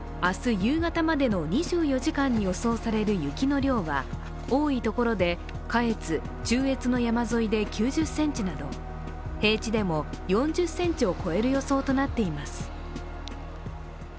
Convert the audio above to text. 夕方までの２４時間に予想される雪の量は多い所で下越・中越の山沿いで９０ｃｍなど平地でも４０ｃｍを超える予想となっています。